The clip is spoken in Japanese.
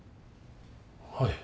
はい。